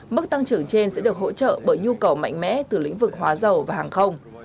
mức tăng trưởng trên sẽ được hỗ trợ bởi nhu cầu mạnh mẽ từ lĩnh vực hóa dầu và hàng không